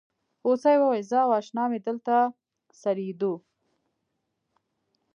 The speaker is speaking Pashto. هوسۍ وویل زه او اشنا مې دلته څریدو.